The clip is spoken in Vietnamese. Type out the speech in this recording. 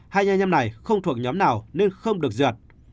hai anh em này không thuộc nhóm nào nên không được duyệt